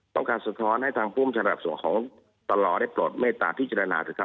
ต้องการสะท้อนให้ทางภูมิศาลกระสวนของตลอดได้ปลอดเมตตาพี่จัดลานา